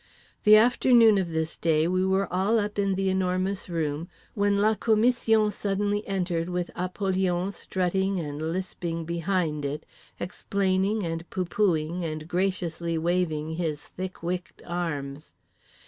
The afternoon of this day we were all up in The Enormous Room when la commission suddenly entered with Apollyon strutting and lisping behind it, explaining, and poo poohing, and graciously waving his thick wicked arms.